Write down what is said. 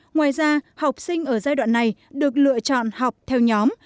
ngoài ra học sinh ở giai đoạn này được lựa chọn học theo nhóm